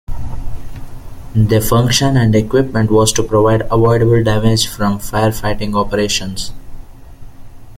Their function and equipment was to prevent avoidable damage from fire fighting operations.